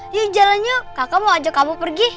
yuk jalan yuk kakak mau ajak kamu pergi